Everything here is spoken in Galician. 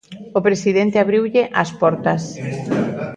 O presidente abriulle as portas.